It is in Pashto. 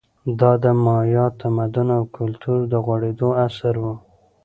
دا د مایا تمدن او کلتور د غوړېدو عصر و